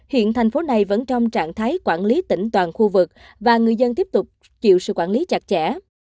hiện thành phố này vẫn trong trạng thái quản lý tỉnh toàn khu vực và người dân tiếp tục chịu sự quản lý chặt chẽ